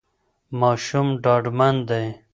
ماشوم ډاډمن دی.